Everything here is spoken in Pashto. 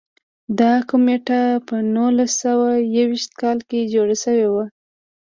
دا کمېټه په نولس سوه یو ویشت کال کې جوړه شوې وه.